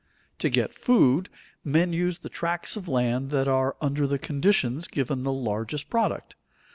_ To get food, men use the tracts of land that under the conditions give the largest product.